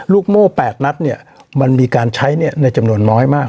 ลูกโม้แปดนัดเนี่ยมันมีการใช้เนี่ยในจำนวนน้อยมาก